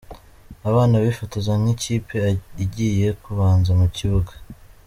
Abana bifotoza nk'ikipe igiye kubanza mu kibuga.